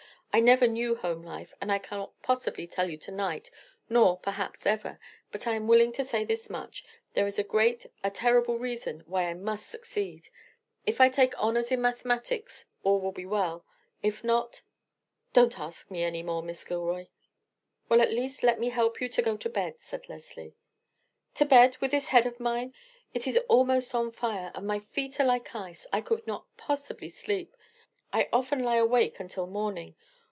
I never knew home life, and I cannot possibly tell you to night, nor, perhaps, ever; but I am willing to say this much: There is a great, a terrible reason why I must succeed. If I take honors in mathematics all will be well, if not—— Don't ask me any more, Miss Gilroy." "Well, at least, let me help you to go to bed," said Leslie. "To bed, with this head of mine! It is almost on fire, and my feet are like ice. I could not possibly sleep. I often lie awake until morning.